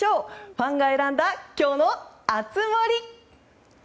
ファンが選んだ今日の熱盛。